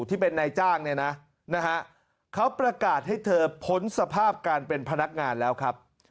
ที่เป็นนายจ้างเนี่ยนะนะฮะเขาประกาศให้เธอพ้นสภาพการเป็นพนักงานแล้วครับ